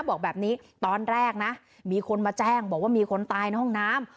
บอกแบบนี้ตอนแรกนะมีคนมาแจ้งบอกว่ามีคนตายในห้องน้ำ